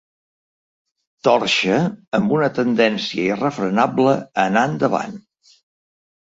Torxa amb una tendència irrefrenable a anar endavant.